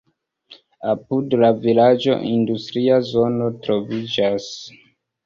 Apud la vilaĝo industria zono troviĝas.